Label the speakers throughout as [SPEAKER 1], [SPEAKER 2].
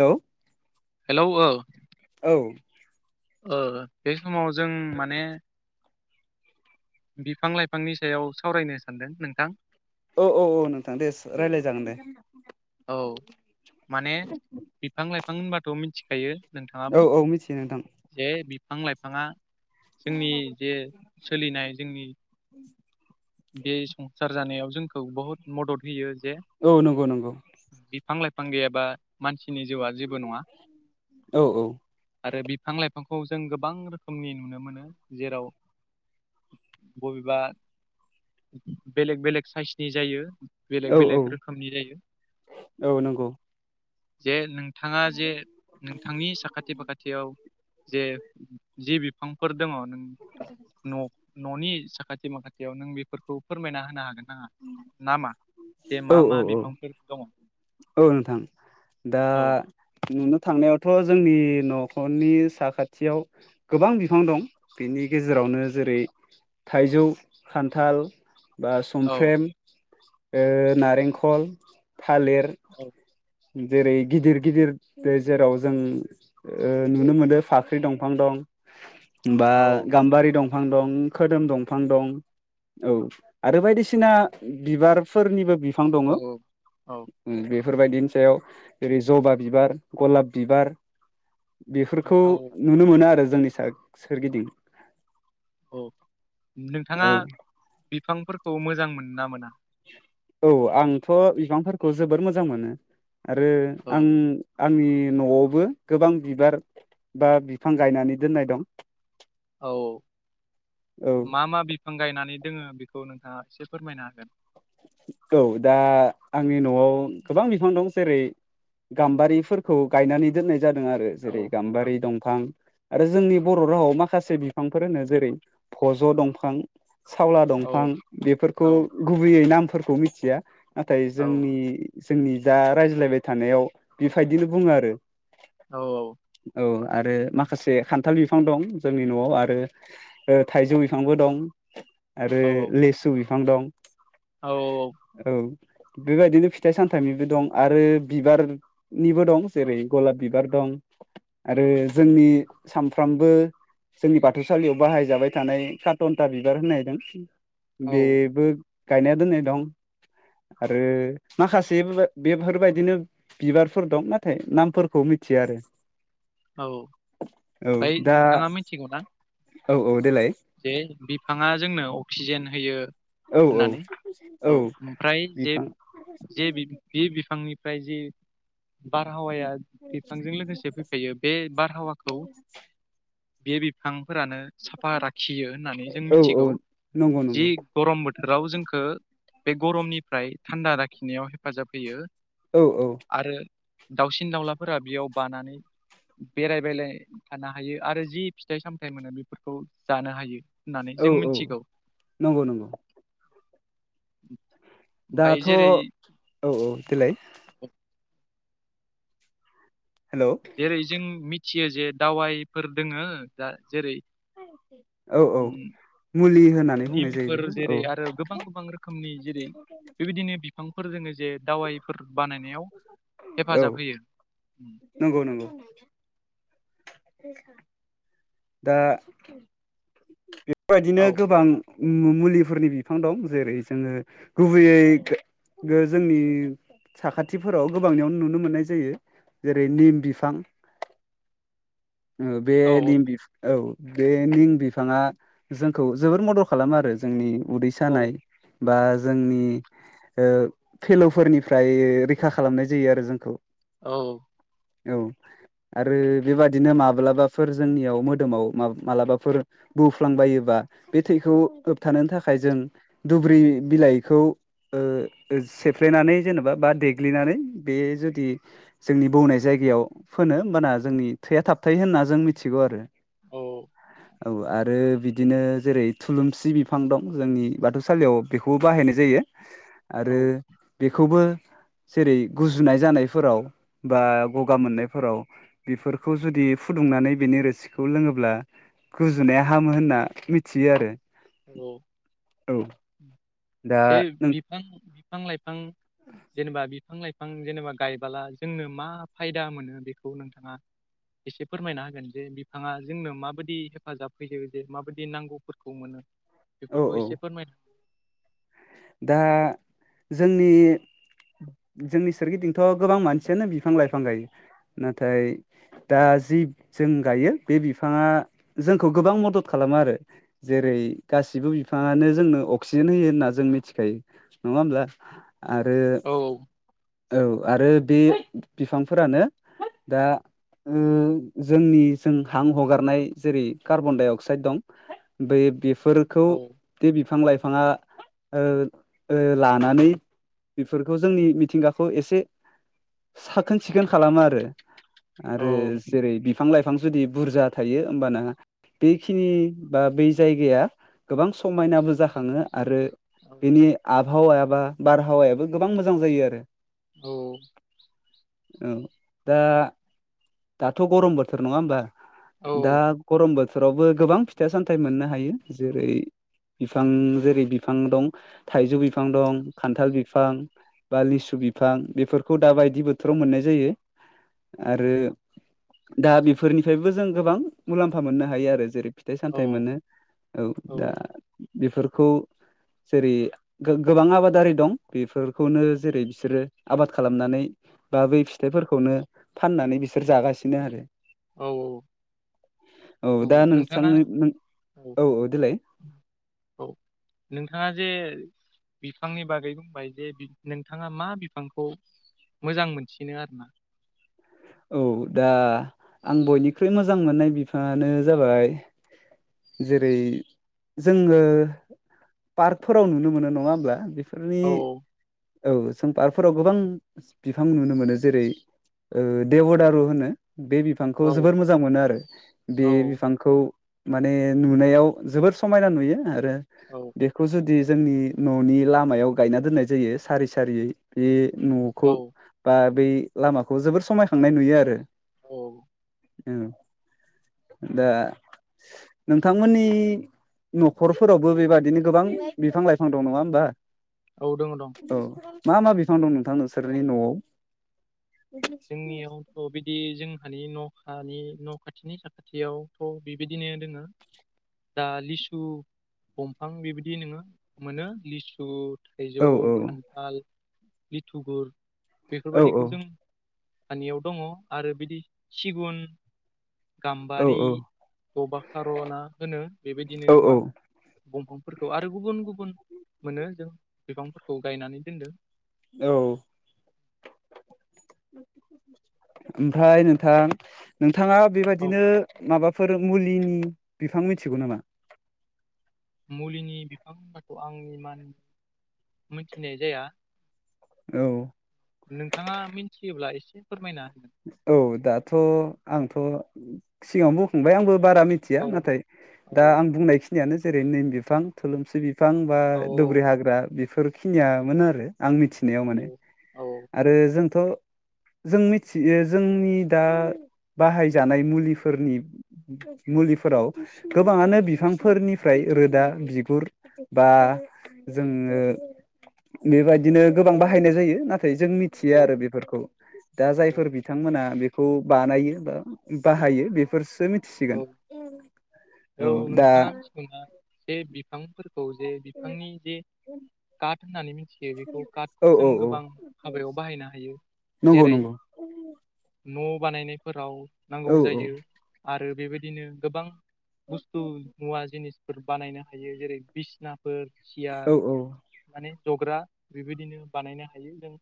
[SPEAKER 1] Hello
[SPEAKER 2] hello औ
[SPEAKER 1] औ
[SPEAKER 2] ओ बे समाव जों माने बिफां लाइफांनि सायाव सावरायनो सानदों नोंथां
[SPEAKER 1] औ औ औ नोंथां दे रायज्लाय जागोन दे
[SPEAKER 2] औ माने बिफां लाइफां होनबाथ मिथिखायो नोंथाङाबो
[SPEAKER 1] औ औ मिथियो नोंथां
[SPEAKER 2] जे बिफां लाइफाङा जोंनि जे सोलिनाय जोंनि बे संसार जानायाव जोंखौ बहुत मदद होयो जे
[SPEAKER 1] औ नंगौ नंगौ
[SPEAKER 2] बिफां लाइफां गैयाबा मानसिनि जिउआ जेबो नङा
[SPEAKER 1] औ औ
[SPEAKER 2] आरो बिफां लाइ फांखौ जों गोबां रोखोमनि नुनो मोनो जेराव बबेबा बेलेग बेलेग साइसनि जायो बेलेग
[SPEAKER 1] औ औ
[SPEAKER 2] बेलेक रोखोमनि जायो
[SPEAKER 1] औ नंगौ
[SPEAKER 2] जे नोंथाङा जे नोंथांनि साखाथि फाखाथियाव जे जि बिफांफोर दङ नों न ननि साखाथि माखाथियाव नों बेफोरखौ फोरमायना होनो हागोन नाङा ना मा जे मा
[SPEAKER 1] औ औ
[SPEAKER 2] मा
[SPEAKER 1] औ
[SPEAKER 2] बिफांफोर दङ
[SPEAKER 1] औ नोंथां दा
[SPEAKER 2] औ
[SPEAKER 1] नुनो थांनायावथ जोंनि नखरनि साखाथियाव गोबां बिफां दं बेनि गेजेराव नो जेरै थाइजौ खान्थाल बा
[SPEAKER 2] औ
[SPEAKER 1] सुमफ्रेम ओ नारेंखल थालेर
[SPEAKER 2] औ
[SPEAKER 1] जेरै गिदिर गिदिर जेराव जों ओ नुनो मोनो फाख्रि दंफां दं [inaudible] बा
[SPEAKER 2] औ
[SPEAKER 1] गाम्बारि दंफां दं खोदोम दंफां दं औ आरो बायदिसि सिना बिबारफोरनिबो बिफां दङ
[SPEAKER 2] औ
[SPEAKER 1] उम
[SPEAKER 2] औ
[SPEAKER 1] बे बेफोरबायदिनि सायाव जेरै जबा बिबार गलाब बिबार बेफोरखौ
[SPEAKER 2] औ
[SPEAKER 1] नुनो मोनो आरो जोंनि सा-सोरगिदिं
[SPEAKER 2] औ नोंथाङा बिफांफोरखौ मोजां मोनो ना मोना
[SPEAKER 1] औ आंथ बिफांफोरखौ जोबोर मोजां मोनो आरो
[SPEAKER 2] औ
[SPEAKER 1] आं आंनि नआवबो गोबां बिबार बा बिफां गायनानै दोननाय दं
[SPEAKER 2] औ
[SPEAKER 1] औ
[SPEAKER 2] मा मा बिफां गायनानै दोङो बे खौ नोंथाङा एसे फोरमायनो हागोन
[SPEAKER 1] औ दा आंनि नआव गोबां बिफां दं जेरै गाम्बारिफोरखौ गायनानै दोननाय जादों आरो जेरै
[SPEAKER 2] औ औ
[SPEAKER 1] गाम्बारि दंफां आरो जोंनि बर रावआव माखासे बिफांफोर होनो जेरै भज दंफां सावला दंफां
[SPEAKER 2] औ
[SPEAKER 1] बेफोरखौ
[SPEAKER 2] औ
[SPEAKER 1] गुबैयै नामफोरखौ मिथिया नाथाय
[SPEAKER 2] औ
[SPEAKER 1] जोंनि जोंनि जा रायज्लायबाय थानायाव बेफायदिनो बुङो आरो
[SPEAKER 2] औ औ
[SPEAKER 1] औ आरो माखासे खान्थाल बिफां दं जोंनि नआव आरो ओ थाइजौ बिफांबो दं आरो
[SPEAKER 2] औ
[SPEAKER 1] लेसु बिफां दं
[SPEAKER 2] औ
[SPEAKER 1] औ बेबायदिनो फिथाइ सामथाइनिबो दं आरो बिबारनिबो दं जेरै गलाब बिबार दं दं आरो जोंनि सामफ्रामबो जोंनि बाथौसालियाव बाहायजाबाय थानाय कारटनटा बिबार होननाय दों
[SPEAKER 2] औ
[SPEAKER 1] बेबो गायनाया दोननाय दं आरो माखासे [unintelligible] बेफोरबायदिनो बिबारफोर दं नाथाय नामफोरखौ मिथ थिया आरो
[SPEAKER 2] औ
[SPEAKER 1] औ
[SPEAKER 2] ओमफाय
[SPEAKER 1] दा
[SPEAKER 2] नोंथाङा मिथिगौ ना
[SPEAKER 1] औ औ देलाय
[SPEAKER 2] जे बिफाङा जोंनो अक्सिजेन होयो
[SPEAKER 1] औ औ
[SPEAKER 2] होननानै औ ओमफ्राय जे
[SPEAKER 1] बिफां
[SPEAKER 2] जे बि बे बिफांनिफ्राय जे बारहावाया बिफांजों लोगोसे फैफायो बे बारहावाखौ बे बिफांफोरानो साफा राखियो होननानै जों
[SPEAKER 1] औ
[SPEAKER 2] मिथिगौ
[SPEAKER 1] औ नंगौ
[SPEAKER 2] जि
[SPEAKER 1] नंगौ
[SPEAKER 2] गरम बोथोराव जोंखौ बे गरमनिफ्राय थान्दा लाखिनायाव हेफाजाब होयो
[SPEAKER 1] औ औ
[SPEAKER 2] आरो दाउसिन दाउलाफोरा बेयाव बानानै बेरायबेलाय थानो हायो आरो जि फिथाइ सामथाइ मोनो बेफोरखौ जानो हायो। होननानै
[SPEAKER 1] औ
[SPEAKER 2] जों
[SPEAKER 1] औ
[SPEAKER 2] मिथिगौ
[SPEAKER 1] नंगौ नंगौ
[SPEAKER 2] [inaudible]
[SPEAKER 1] दाथ' औ
[SPEAKER 2] जेरै
[SPEAKER 1] औ देलाय हेलौ
[SPEAKER 2] जेरै जों मिथियो जे दावाइफोर दोंङो दा जेरै
[SPEAKER 1] औ औ
[SPEAKER 2] उम
[SPEAKER 1] मुलि होननानै बुंनाय जायो
[SPEAKER 2] निमफोर
[SPEAKER 1] बेखौ
[SPEAKER 2] जेरै
[SPEAKER 1] औ
[SPEAKER 2] आरो गोबां गोबां रोखोमनि जेरै बेबायदिनो बिफांफोर जोंङो जे दावाइफोर बान
[SPEAKER 1] औ नंगौ नंगौ दा बेफोरबायदिनो
[SPEAKER 2] औ
[SPEAKER 1] गोबां उम मुलिफोरनि बिफां दं जेरै जोंङो गुबैयै गो जोंनि साखाथिफोराव गोबांनियावनो नुनो मोननाय जायो जेरै निम बिफां
[SPEAKER 2] [inaudible]
[SPEAKER 1] ओ बे
[SPEAKER 2] औ
[SPEAKER 1] निम बि औ बे निम बिफांङा जोंखौ जोबोर मदद खालामो आरो जोंनि उदै
[SPEAKER 2] औ
[SPEAKER 1] सानाय बा जोंनि ओ फेल'फोरनिफ्राय रैखा खालामनाय जायो आरो जोंखौ
[SPEAKER 2] औ
[SPEAKER 1] औ आरो बेबादिनो माब्लाबाफोर जोंनियाव -दोमाव मालाबाफोर बौफ्लांबायोबा बे थैखौ होबथानो थाखाय जों दुु ब्रि बिलाइखौ ओ सेफ्लेनानै जेनेबा बा देग्लिनानै बे जुदि जोंनि बौनाय जायगा -याव फोनो होमबाना जोंनि थैया थाबथायो होनना जों मिथिगौ आरो
[SPEAKER 2] औ
[SPEAKER 1] औ आरो बिदिनो जेरै थुलुंसि बिफां दं जोंनि बाथौसालियाव बेखौबो बाहायनाय जायो। आरो
[SPEAKER 2] औ
[SPEAKER 1] बेखौबो जेरै गुजुनाय जानायफोराव बा गगा मोननायफोराव बेफोरखौ जुदि बे फुदुंनानै बेनि रोसिखौ लोंङोब्ला गुजुनाया हामो होनना मिथियो आरो
[SPEAKER 2] औ
[SPEAKER 1] दा
[SPEAKER 2] जे
[SPEAKER 1] नों
[SPEAKER 2] बिफां बिफां लाइफां जेनेबा बिफां लाइफां -फां जेनेबा गायबाला जोंनो मा फायदा मोनो बेखौ नोंथांङा एसे फोरमायना होगोन जे बिफांङा जोंनो माबायदि हेफाजाब होयो जे माबायदि नांगौफोरखौ मोनो
[SPEAKER 1] औ औ
[SPEAKER 2] बेफोरखौ एसे फोमाय
[SPEAKER 1] दा जोंनि जोंनि सोरगिदिंथ' गोबां मानसियानो बिफां लाइफां गायो नाथाय दा जि जों गायो बे बिफांङा जोंखौ गोबां मदद खालामो आरो जेरै गासिबो बिफांङानो जोंनो अक्सिजेन होयो होनना जों मि मिथिखायो नंङा होमब्ला आरो
[SPEAKER 2] औ
[SPEAKER 1] औ आरो बे बिफांफोरानो दा ओ जोंनि जों हां हगारनाय जेरै कार्बन डाइ अक्साइद दं बै बेफोरखौ
[SPEAKER 2] औ
[SPEAKER 1] बे बिफां लाइफांङा ओ ओ लानानै बेफोरखौ जोंनि मिथिंगाखौ एसे साखोन सिखोन खालामो आरो
[SPEAKER 2] औ
[SPEAKER 1] आरो जेरै बिफां लाइ फां जुदि बुरजा थायो होमबा ना बेखिनि बा बै जायगाया गोबां समायनाबो जाखांङो आरो बेनि आबहावाया बा बारहावायाबो गोबां मोजां जायो आरो
[SPEAKER 2] औ
[SPEAKER 1] औ दा दाथ' गरम बोथोर नंङा होमबा दा
[SPEAKER 2] औ
[SPEAKER 1] गरम बो थोरावबो गोबां फिथाइ सामथाइ मोननो हायो जेरै बिफां जेरै बि फां दं थाइजु बिफां दं खान्थाल बिफां बा लिसु बिफां बेफोरखौ दा बायदि बोथोराव मोननाय जायो आरो दा बेफोरनिफायबो जों गोबां मुलाम्फा मोननो हायो आरो जेरै फिथाइ सामथाइ
[SPEAKER 2] औ
[SPEAKER 1] मोनो औ दा बेफोरखौ
[SPEAKER 2] [inaudible]
[SPEAKER 1] जेरै गो-गोबां आबादारि दं बेफोरखौनो जेरै बिसोरो आबाद खालामनानै बा बै फिथाइफोरखौनो फाननानै बिसोर जागासिनो आरो
[SPEAKER 2] औ
[SPEAKER 1] औ दा नोंसांनि औ औ देलाय
[SPEAKER 2] औ नोंथाङा जे बिफांनि बागै बुंबाय जे बि नोंथाङा मा बिफांखौ मोजां मोनसिनो आरो ना
[SPEAKER 1] औ दा आं बयनिख्रुइ मोजां मोननाय बिफाङानो जाबाय जेरै जोङो पार्कफोराव नुनो मोनो नङा होमब्ला बे फोरनि
[SPEAKER 2] औ
[SPEAKER 1] औ जों पार्कफोराव गोबां बिफां नुनो मोनो जेरै ओ देवदारु होनो बे बिफांखौ
[SPEAKER 2] औ
[SPEAKER 1] जोबोर मोजां मोनो आरो बे
[SPEAKER 2] औ
[SPEAKER 1] बिफांखौ माने नुनायाव जोबोर समायना नुयो आरो
[SPEAKER 2] औ
[SPEAKER 1] बेखौ जुदि जोंनि न'नि लामायाव गायना दोननाय जायो सारि सारियै बे न'खौ
[SPEAKER 2] औ
[SPEAKER 1] बा बै लामाखौ जोबोर समायखांनाय नुयो आरो
[SPEAKER 2] औ
[SPEAKER 1] ओ दा नोंथांमोननि न'खरफोरावबो बेबादिनो गोबां बिफां लाइफां दं नङा होमबा
[SPEAKER 2] औ दङो दं
[SPEAKER 1] औ मा मा बिफां दं नोंथां नोंसोरनि न'आव
[SPEAKER 2] जोंनियावथ' बिदि जों मानि न'खानि न' खाथिनि साखाथियावथ' बेबिदिनो दोङो दा लिसु दंफां बेबिदि नोङो मोनो लिसु
[SPEAKER 1] औ
[SPEAKER 2] थाइजौ
[SPEAKER 1] औ
[SPEAKER 2] खान्थाल लिथुगुर
[SPEAKER 1] औ औ
[SPEAKER 2] बेफोरबादिखौ जों हानियाव दङ आरो बिदि सिगुन
[SPEAKER 1] औ
[SPEAKER 2] गाम्बारि
[SPEAKER 1] औ
[SPEAKER 2] दबा खार'ना होनो बेबादिनो
[SPEAKER 1] औ
[SPEAKER 2] गोबां
[SPEAKER 1] औ
[SPEAKER 2] दंफांफोरखौ आरो गुबुन गुबुन मोनो जों बिफांफोरखौ गायनानै दोनदों
[SPEAKER 1] औ ओमफ्राय नोंथां [unintelligible] थाङा
[SPEAKER 2] औ
[SPEAKER 1] बेबादिनो माबाफोर मुलिनि बिफां मिथिगौ नामा
[SPEAKER 2] मुलिनि बिफां होनबाथखौ आं इमान मोनथिनाय जाया
[SPEAKER 1] औ
[SPEAKER 2] नोंथाङा मिन्थियोब्ला इ
[SPEAKER 1] औ दाथ' आंथ' सिगाङावनो बुंखांबाय आंबो बारा मिथिया
[SPEAKER 2] औ
[SPEAKER 1] नाथाय दा
[SPEAKER 2] औ
[SPEAKER 1] आं बुंनायखिनियानो जेरै निम बिफां थुलुमसि बि फां बा
[SPEAKER 2] औ
[SPEAKER 1] दुब्रि हाग्रा बि फोरखिनियामोन आरो आं मिथिनायाव
[SPEAKER 2] औ
[SPEAKER 1] माने
[SPEAKER 2] औ
[SPEAKER 1] आरो जोंथ' जों सि ए जोंनि दा बाहायजानाय मुलिफोरनि मुलिफोराव गोबाङानो बिफांफोरनिफ्राय रोदा बिगुर बा जोङो बेबायदिनो गोबां बाहायनाय जायो ना- थाय जों मिथिया
[SPEAKER 2] औ
[SPEAKER 1] आरो बेफोरखौ दा
[SPEAKER 2] औ
[SPEAKER 1] जायफोर बिथांमोना बे- खौ बानायो बा बाहायो बेफोरसो मिथिसिगोन
[SPEAKER 2] औ औ नोंथाङा मिथिगौना बे बिफांफोरखौ जे बिफांनि जे काट होननानै मिथियो बेखौ
[SPEAKER 1] औ
[SPEAKER 2] कार्टखौ जों
[SPEAKER 1] औ औ
[SPEAKER 2] गोबां हाबायाव बाहायनो हायो
[SPEAKER 1] नंगौ
[SPEAKER 2] जेरै
[SPEAKER 1] नंगौ।
[SPEAKER 2] न' बानायनायफोराव नांगौ
[SPEAKER 1] औ औ
[SPEAKER 2] जायो आरो बेबायदिनो गोबां बुस्थु मुवा जिनिसफोर बानायनो हायो जेरै बिसिना फोर
[SPEAKER 1] औ
[SPEAKER 2] सियार माने जग्रा बेबायदिनो बानायनो हायो जों।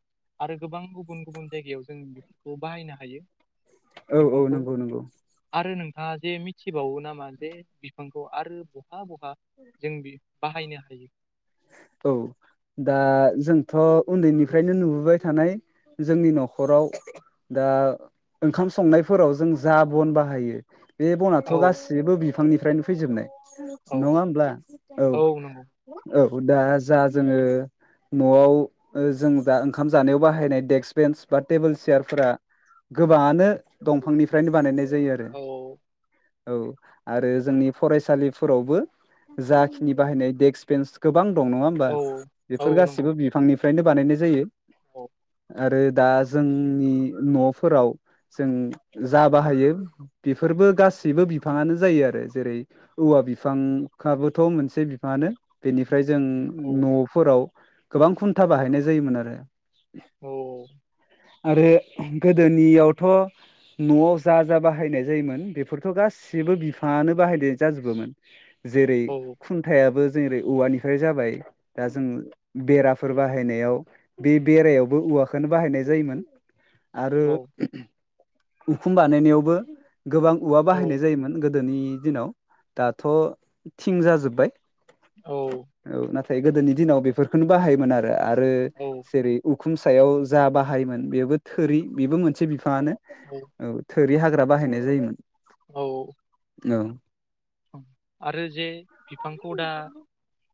[SPEAKER 2] आरो गोबां गुबुन गुबुन जायगायाव जों बेफोरखौ बाहायनो हायो।
[SPEAKER 1] औ औ
[SPEAKER 2] बिफांखौ
[SPEAKER 1] नंगौ नंगौ
[SPEAKER 2] आरो नों थाङा जे मिथिबावो नामा जे बिफांखौ आरो बहा बहा जों बि बाहायनो हायो
[SPEAKER 1] औ दा जोंथ' उन्दैनिफ्रायनो नुबोबाय थानाय। जोंनि न'खराव दा ओंखाम संनायफोराव जों जा बन बाहायो बे
[SPEAKER 2] औ
[SPEAKER 1] बनाथ' गासिबो बे बिफांनिफ्रायनो फैजोबनाय। नङा
[SPEAKER 2] औ
[SPEAKER 1] होमब्ला औ औ दा जा जोङो न'आव ओ जों दा ओंखाम जानायाव बाहायनाय डेक्स बेन्स बा टेबोल चियारफोरा गोबाङानो दंफांनिफ्रायनो बानायनाय जायो आरो।
[SPEAKER 2] औ औ
[SPEAKER 1] औ आरो जोंनि फरायसालिफोरावबो जाखिनि बाहायनाय डेक्स बेन्स गोबां दं नङा होमबा
[SPEAKER 2] औ
[SPEAKER 1] बेफोर गासिबो बिफांनिफ्रायनो बानायनाय जायो।
[SPEAKER 2] अ
[SPEAKER 1] आरो दा जोंनि न'फोराव जों जा बाहायो बेफोर बो गासैबो बिफाङानो जायो आरो जेरै औवा बिफांखाबोथ' मोनसे बिफाङानो। बेनिफ्राय जों
[SPEAKER 2] औ
[SPEAKER 1] न'फोराव गोबां खुन्था बाहायनाय जायोमोन आरो।
[SPEAKER 2] अ
[SPEAKER 1] आरो गोदोनियावथ' न'आव जा जा बाहायनाय जायोमोन बेफोरथ' गासि बो बिफाङानो बाहायदे जाजोबोमोन जेरै
[SPEAKER 2] औ
[SPEAKER 1] खुन्थायाबो जेरै औवानिफ्राय जाबाय दा जों बेराफोर बाहायनायाव बे बेरायावबो औवाखोनो बाहायनाय जायोमोन। आरो
[SPEAKER 2] औ
[SPEAKER 1] उखुम बानायनायावबो गोबां उवा बाहायनाय जायोमोन गो दोनि दिनाव दाथ' थिं जाजोब्बाय।
[SPEAKER 2] औ
[SPEAKER 1] फाय गोदोनि दिनाव बेफोरखोनो बाहायोमोन आरो आरो
[SPEAKER 2] औ
[SPEAKER 1] जेरै उ खुम सायाव जा बाहायोमोन बेबो थोरि बेबो मोनसे बिफाङानो औ। थोरि हाग्रा बाहायनाय जायोमोन।
[SPEAKER 2] औ
[SPEAKER 1] ओं
[SPEAKER 2] आरो जे बिफांखौ दा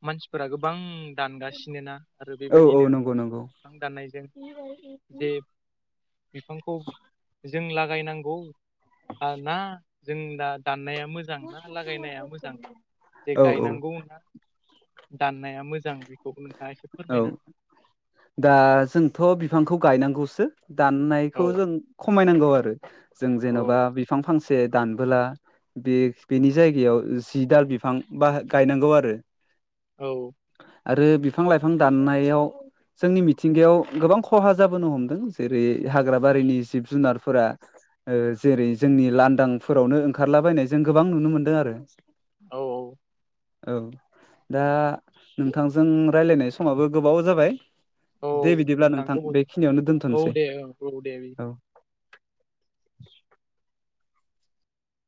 [SPEAKER 2] मानसिफोरा गोबां दानगासिनो ना आरो
[SPEAKER 1] औ औ
[SPEAKER 2] बेबायदिनो
[SPEAKER 1] नंगौ नंगौ
[SPEAKER 2] बिफां दाननायजों जे बिफांखौ जों लागायनांगौ बा ना जों दा दाननाया मोजां ना लागायनाया मोजां जे
[SPEAKER 1] औ औ
[SPEAKER 2] गायनांगौना दाननाया मोजां बेखौबो नोंथाङा एसे
[SPEAKER 1] औ
[SPEAKER 2] फोरमायना
[SPEAKER 1] दा जोंथ' बिफांखौ गायनांगौसो।
[SPEAKER 2] हो।
[SPEAKER 1] दाननायखौ जों खमायनांगौ आरो जों
[SPEAKER 2] औ
[SPEAKER 1] जेन'बा बिफां फांसे से दानबोला बे बेनि जायगायाव जि दाल बिफां बा गायनांगौ आरो।
[SPEAKER 2] औ
[SPEAKER 1] आरो बिफां लाइफां दाननायाव जोंनि मिथिंगायाव गोबां खहा जाबोनो हमदों जेरै हाग्रा बारिनि जिब जुनारफोरा ओ जेरै जोंनि लानदांफोरावनो ओंखारलाबायनाय जों गोबां नुनो मोनदों आरो।
[SPEAKER 2] औ औ।
[SPEAKER 1] औ दा नोंथांजों रायलायनाय समाबो गोबाव जाबाय।
[SPEAKER 2] औ
[SPEAKER 1] दे बिदिब्ला नोंथां
[SPEAKER 2] गोबाव
[SPEAKER 1] बेखिनियावनो
[SPEAKER 2] औ
[SPEAKER 1] दोनथनोसै
[SPEAKER 2] दे औ औ दे
[SPEAKER 1] औ। [inaudible]